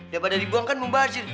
dia pada dibuang kan membahasin